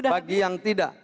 bagi yang tidak